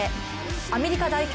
アメリカ代表